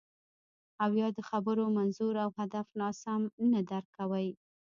او یا د خبرو منظور او هدف ناسم نه درک کوئ